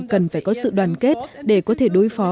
cần phải có sự đoàn kết để có thể đối phó